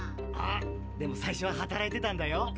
あっでも最初は働いてたんだよ。